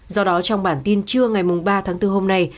do đó trong bản tin trưa ngày ba tháng bốn hôm nay